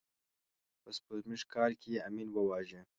په سپوږمیز کال کې یې امین وواژه.